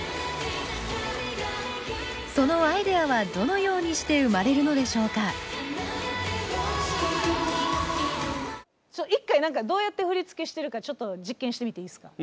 そのアイデアはどのようにして生まれるのでしょうか一回何かどうやって振付してるかちょっと実験してみていいですか。